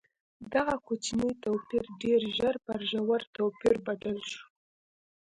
دغه کوچنی توپیر ډېر ژر پر ژور توپیر بدل شو.